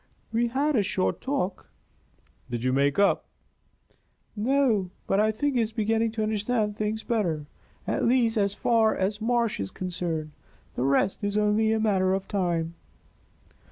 "We had a short talk." "Did you make up?" "No! But I think he is beginning to understand things better at least, as far as Marsh is concerned. The rest is only a matter of time."